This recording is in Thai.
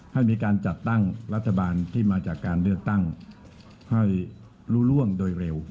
ให้มีการจัดตั้งรัฐบาลที่มาจากการเลือกตั้งให้รู้ร่วงโดยเร็ว